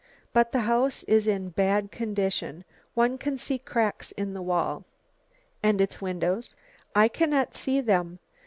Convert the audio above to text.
But the house is in bad condition, one can see cracks in the wall." "And its windows?" "I cannot see them.